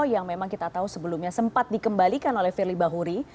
yang memang kita tahu sebelumnya sempat dikembalikan oleh firly bahuri